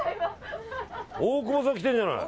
大久保さん来てるじゃない。